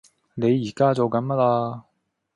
你宜家做緊乜呀？